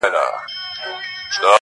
له دېوالونو یې رڼا پر ټوله ښار خپره ده